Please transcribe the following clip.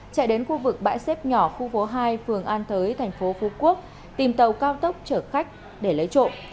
chạy đến khu vực bãi xếp nhỏ khu phố hai phường an thới thành phố phú quốc tìm tàu cao tốc chở khách để lấy trộm